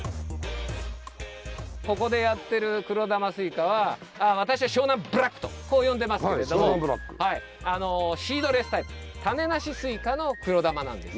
ここでやってる黒玉すいかは私は湘南ブラックとこう呼んでますけれどもシードレスタイプ種なしすいかの黒玉なんです。